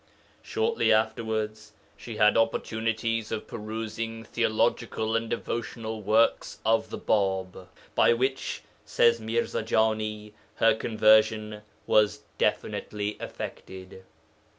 Shortly afterwards she had opportunities of perusing theological and devotional works of the Bāb, by which, says Mirza Jani, 'her conversion was definitely effected.'